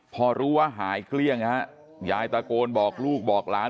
พอรู้ว่าหายเกลี้ยงฮะยายตะโกนบอกลูกบอกหลาน